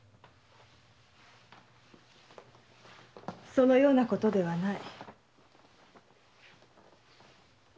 そのようなことではない。